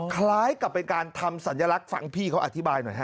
คล้ายกับเป็นการทำสัญลักษณ์ฟังพี่เขาอธิบายหน่อยฮะ